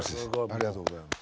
ありがとうございます。